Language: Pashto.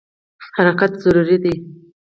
حرکت ضروري دی.